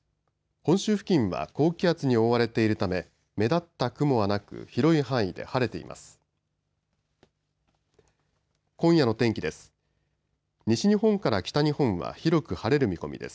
本州付近は高気圧に覆われているため目立った雲はなく広い範囲で晴れています。